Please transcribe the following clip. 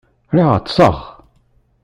Lliɣ ɛeṭṭseɣ.